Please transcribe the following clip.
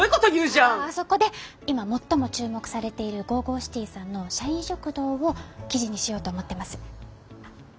ああそこで今最も注目されているＧＯＧＯＣＩＴＹさんの社員食堂を記事にしようと思っています。